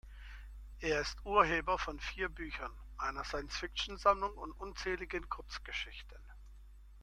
Er ist Urheber von vier Büchern, einer Science-Fiction-Sammlung und unzähligen Kurzgeschichten.